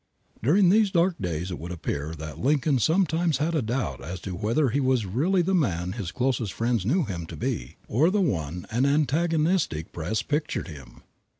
During these dark days it would appear that Lincoln sometimes had a doubt as to whether he was really the man his closest friends knew him to be, or the one an antagonistic press pictured him.